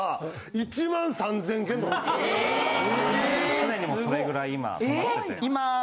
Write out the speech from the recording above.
常にそれぐらい今たまってて。